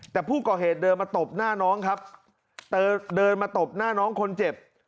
แต่ผู้ก่อเหตุเดินมาตบหน้าน้องครับเดินมาตบหน้าน้องคนเจ็บ